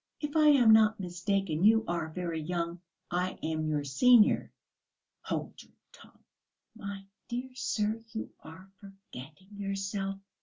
If I am not mistaken, you are very young; I am your senior." "Hold your tongue!" "My dear sir! You are forgetting yourself.